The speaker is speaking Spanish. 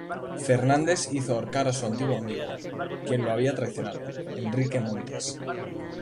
Fernandes hizo ahorcar a su antiguo amigo, quien lo había traicionado, Henrique Montes.